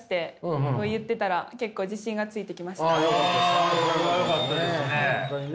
あそれはよかったですね。